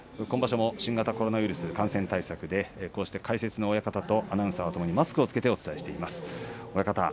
今場所も新型コロナウイルスの感染対策で親方、アナウンサーともにマスクを着けてお伝えしています。